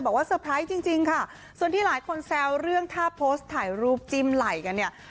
เซอร์ไพรส์จริงจริงค่ะส่วนที่หลายคนแซวเรื่องถ้าโพสต์ถ่ายรูปจิ้มไหล่กันเนี่ย